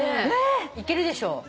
いけるでしょ！